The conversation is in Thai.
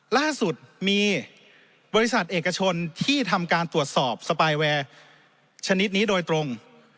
ล่าสุดมีบริษัทเอกชนที่ทำการตรวจสอบสปายแวร์ชนิดนี้โดยตรง